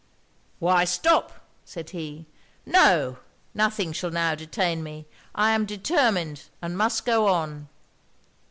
'Why stop?' said he. 'No! nothing shall now detain me; I am determined, and must go on!'